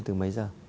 từ mấy giờ